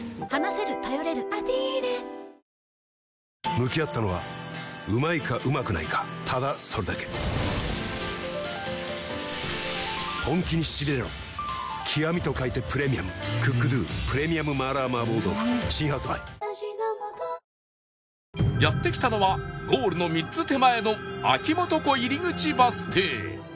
向き合ったのはうまいかうまくないかただそれだけ極と書いてプレミアム「ＣｏｏｋＤｏ 極麻辣麻婆豆腐」新発売やって来たのはゴールの３つ手前の秋元湖入口バス停